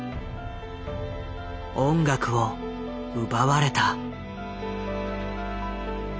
音楽を奪われた。